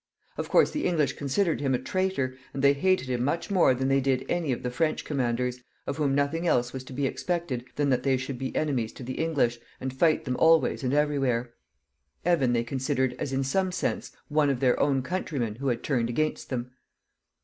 Of course, the English considered him a traitor, and they hated him much more than they did any of the French commanders, of whom nothing else was to be expected than that they should be enemies to the English, and fight them always and every where. Evan they considered as in some sense one of their own countrymen who had turned against them.